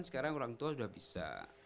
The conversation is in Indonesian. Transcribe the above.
sekarang orang tua sudah bisa